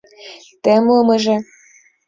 Темлымыже...